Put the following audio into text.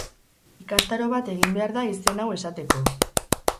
Ikastaro bat egin behar da izen hau esateko.